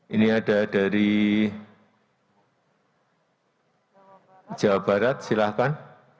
ini ada dari jawa barat silahkan